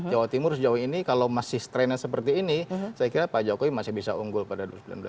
jawa timur sejauh ini kalau masih strendnya seperti ini saya kira pak jokowi masih bisa unggul pada dua ribu sembilan belas